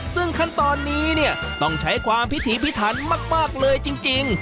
ซึ่งขั้นตอนนี้เนี่ยต้องใช้ความพิถีพิถันมากเลยจริง